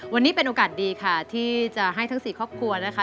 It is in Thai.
วันนี้เป็นโอกาสดีค่ะที่จะให้ทั้ง๔ครอบครัวนะคะ